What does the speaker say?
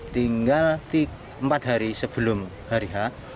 tinggal empat hari sebelum hari h